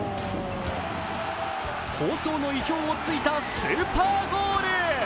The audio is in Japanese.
放送の意表を突いたスーパーゴール。